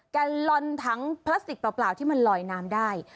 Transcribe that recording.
กันลอนถังพลาสติกเปล่าที่มันลอยน้ำได้